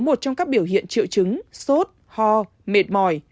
một trong các biểu hiện triệu chứng sốt ho mệt mỏi